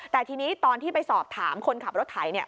แต่ทีนี้ตอนที่ไปสอบถามคนขับรถไถ